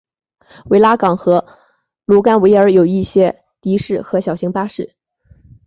维拉港和卢甘维尔有一些的士和小型巴士。